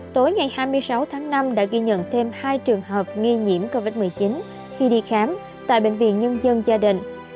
tối ngày hai mươi sáu tháng năm đã ghi nhận thêm hai trường hợp nghi nhiễm covid một mươi chín khi đi khám tại bệnh viện nhân dân gia đình